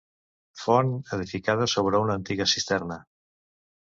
Font edificada sobre una antiga cisterna.